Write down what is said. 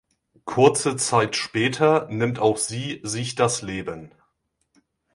Kurze Zeit später nimmt auch sie sich das Leben.